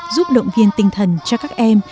giúp động viên tinh thần cho các em